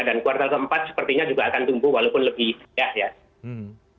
kuartal keempat sepertinya juga akan tumbuh walaupun lebih ya